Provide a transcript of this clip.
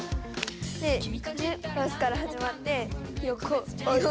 でクロスから始まって横横。